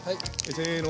せの！